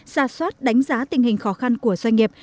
xa xoát đánh giá tình hình khó khăn của doanh nghiệp